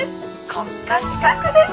国家資格です！